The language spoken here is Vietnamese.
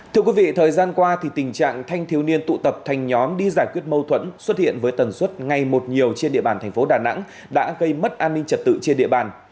thưa quý vị thời gian qua tình trạng thanh thiếu niên tụ tập thành nhóm đi giải quyết mâu thuẫn xuất hiện với tần suất ngay một nhiều trên địa bàn thành phố đà nẵng đã gây mất an ninh trật tự trên địa bàn